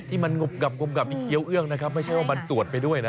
ที่มันงบนี่เคี้ยวเอื้องนะครับไม่ใช่ว่ามันสวดไปด้วยนะ